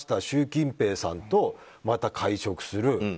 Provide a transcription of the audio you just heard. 習近平さんとまた会食する。